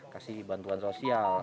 kasih bantuan sosial